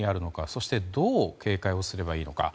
そしてどう警戒をすればいいのか。